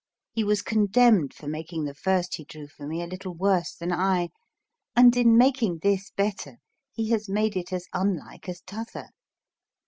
He was condemned for making the first he drew for me a little worse than I, and in making this better he has made it as unlike as t'other.